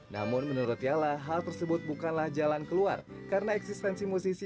namun menurut yala hal tersebut bukanlah jalan keluar karena eksistensi musisi